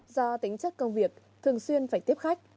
do tính chất công việc thường xuyên phải tiếp khách